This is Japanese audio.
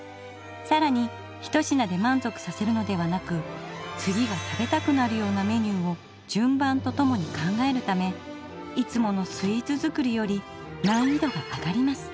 さらに１品で満足させるのではなく次が食べたくなるようなメニューを順番と共に考えるためいつものスイーツ作りより難易度が上がります。